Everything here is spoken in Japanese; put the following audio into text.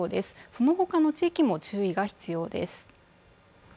そのほかの地域も注意が必要です。